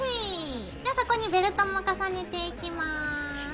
じゃあそこにベルトも重ねていきます。